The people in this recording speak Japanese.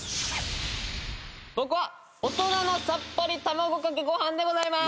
僕はオトナのさっぱり卵かけご飯でございます。